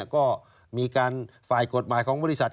ก็มีการฝ่ายกฎหมายของบริษัท